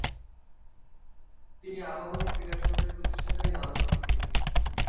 তিনি আবাহনী ক্রীড়া চক্রের প্রতিষ্ঠাকালীন আলোকচিত্রী।